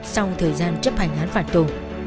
sau thời gian chấp hành án phản tù